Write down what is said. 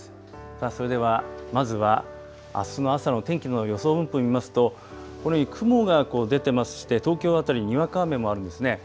それでは、まずはあすの朝の天気の予想分布を見ますとこのように雲が出ていまして東京辺りにわか雨もあるんですね。